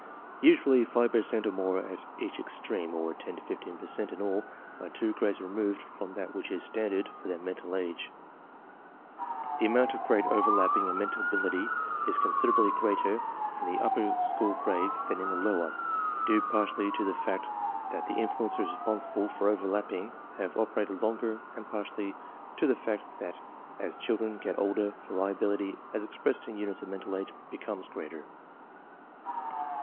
Usually 5 per cent or more at each extreme, or 10 to 15 per cent in all, are two grades removed from that which is standard for their mental age. The amount of grade overlapping in mental ability is con siderably greater in the upper school grades than in the lower, due partly to the fact that the influences responsible for overlapping have operated longer and partly to the fact that as children get older variability j as expressed in units of mental age becomes greater.